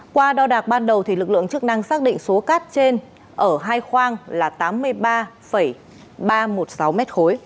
qua đo đạc ban đầu lực lượng chức năng xác định số cát trên ở hai khoang là tám mươi ba ba trăm một mươi sáu m khối